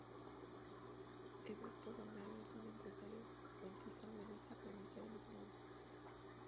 Heberto Gamero es un empresario, cuentista, novelista y cronista venezolano.